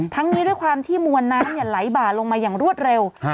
นี้ด้วยความที่มวลน้ำไหลบ่าลงมาอย่างรวดเร็ว